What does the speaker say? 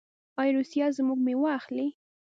آیا روسیه زموږ میوه اخلي؟